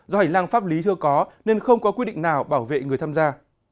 do hành lang pháp lý chưa có nên không có quy định nào bảo vệ người tham gia